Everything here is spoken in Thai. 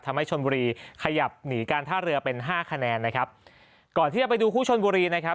ทำให้ชนบุรีขยับหนีการท่าเรือเป็นห้าคะแนนนะครับก่อนที่จะไปดูคู่ชนบุรีนะครับ